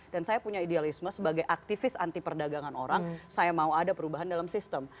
dan saya punya idealisme sebagai aktivis anti perdagangan orang saya mau ada perubahan dalam sistem